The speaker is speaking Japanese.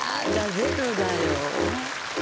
ゼロだよ。